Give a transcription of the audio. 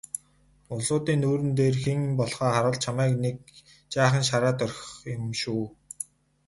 Улсуудын нүүр дээр хэн болохоо харуулж чамайг нэг жаахан шараад орхих юм шүү.